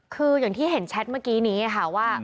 คืออย่างที่เห็นแชทเมื่อกี้นี้ค่ะว่า